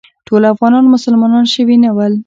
ټول افغانان مسلمانان شوي نه ول.